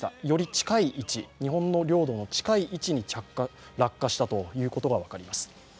より近い位置、日本の領土の近い位置に落下したということが分かります。